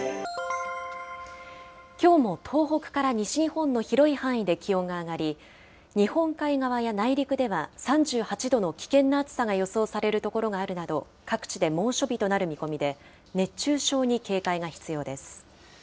きょうも東北から西日本の広い範囲で気温が上がり、日本海側や内陸では３８度の危険な暑さが予想される所があるなど、各地で猛暑日となる見込みで、熱中症に警戒が必要です。